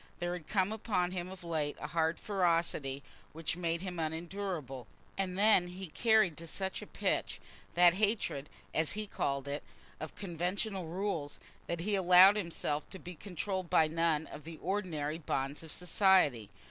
There had come upon him of late a hard ferocity which made him unendurable. And then he carried to such a pitch that hatred, as he called it, of conventional rules, that he allowed himself to be controlled by none of the ordinary bonds of society.